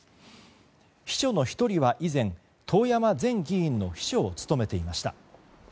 秘書の１人は以前、遠山前議員の秘書を務めていました。